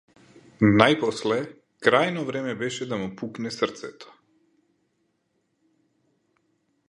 Најпосле крајно време беше да му пукне срцето.